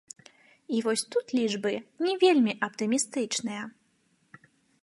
І вось тут лічбы не вельмі аптымістычныя.